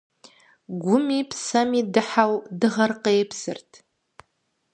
Гуми псэми дыхьэу дыгъэр къепсырт.